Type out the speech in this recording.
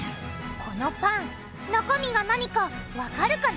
このパン中身が何かわかるかな？